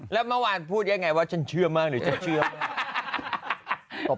แล้วเมื่อวานพูดยังไงว่าฉันเชื่อมากหรือฉันเชื่อมาก